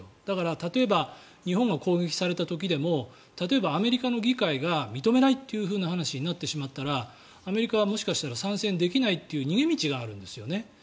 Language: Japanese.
だから例えば日本が攻撃された時でも例えばアメリカの議会が認めないって話になってしまったらアメリカは、もしかしたら参戦できないっていう逃げ道があるんですよね。